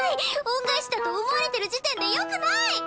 恩返しだと思われてる時点でよくない！